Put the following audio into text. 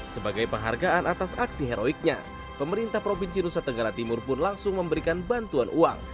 sebagai penghargaan atas aksi heroiknya pemerintah provinsi nusa tenggara timur pun langsung memberikan bantuan uang